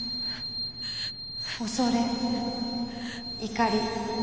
「恐れ怒り」。